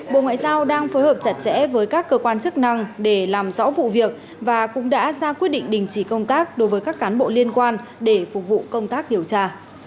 bộ ngoại giao đang phối hợp chặt chẽ với các cơ quan chức năng để làm rõ vụ việc và cũng đã ra quyết định đình chỉ công tác đối với các cán bộ liên quan để phục vụ công tác điều tra